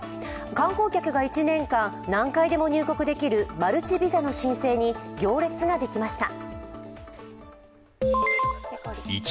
観光客が１年間、何回でも入国できるマルチビザの申請に行列ができました。